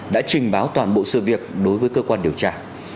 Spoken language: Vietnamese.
đã trình báo toàn bộ sự việc đối với cơ quan điều tra